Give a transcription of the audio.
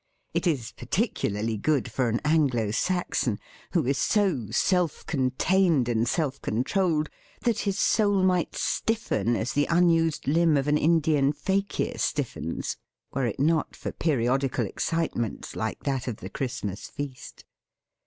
It is particularly good for an Anglo Saxon, who is so self contained and self controlled that his soul might stiffen as the un used limb of an Indian fakir stif fens, were it not for periodical excite ments like that of the Christmas feast.